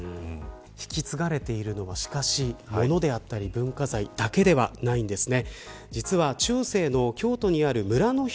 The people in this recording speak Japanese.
引き継がれているのは、しかしものであったり文化財だけではないんですね。